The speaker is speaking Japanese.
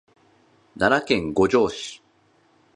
奈良県五條市